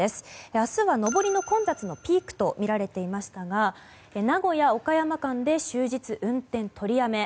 明日は上りの混雑のピークとみられていましたが名古屋岡山間で終日運転取りやめ。